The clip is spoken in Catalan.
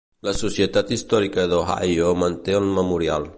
La Societat Històrica d'Ohio manté el memorial.